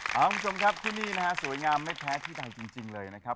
พร้อมครับที่นี่สวยงามไม่แพ้ที่ใดจริงเลยนะครับ